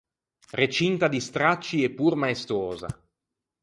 Recinta di stracci eppur maestosa.